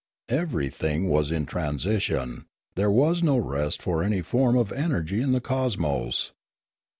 Everything was in transition, there was no rest for any form of energy in the cosmos.